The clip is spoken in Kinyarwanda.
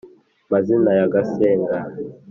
mazina ya gasenga